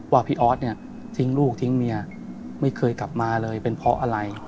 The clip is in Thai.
ว่าพี่ออสเนี่ยทิ้งลูกทิ้งเมียไม่เคยกลับมาเลยเป็นเพราะอะไร